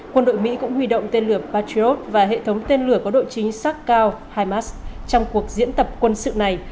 quân đội mỹ cũng huy động tên lửa patriot và hệ thống tên lửa có đội chính sắc cao himars trong cuộc diễn tập quân sự này